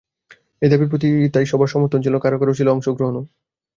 এই দাবির প্রতি তাই সবার সমর্থন ছিল, কারও কারও ছিল অংশগ্রহণও।